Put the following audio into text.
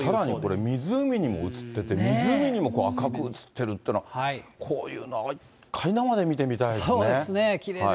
さらに湖にも映ってて、湖にも赤く映ってるっていうのは、こういうのは一回生で見てみたいですね。